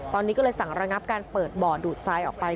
ตอนนี้ก็เลยสั่งระงับการเปิดบ่อดูดทรายออกไป